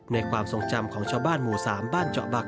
ความทรงจำของชาวบ้านหมู่๓บ้านเจาะบัก